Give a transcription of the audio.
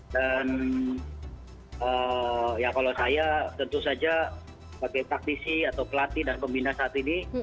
dan ya kalau saya tentu saja bagai taktisi atau pelatih dan pembina saat ini